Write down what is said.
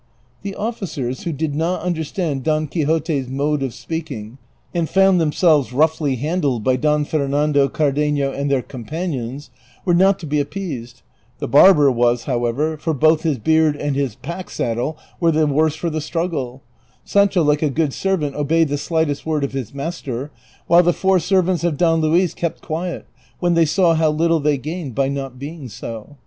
The officers, who did not understand Don Quixote's mode of speaking, and found themselves roughly handled by Don Fer nando, Cardenio, and their companions, were not to be ap peased ; the barber was, however, for both his beard and his pack saddle were the worse for the struggle ; Sancho like a good servant obeyed the slightest word of his master ; while the four servants of Don Luis kept quiet when they saw how little they gained by not being so.